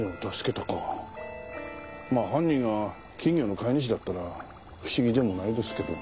まあ犯人が金魚の飼い主だったら不思議でもないですけどね。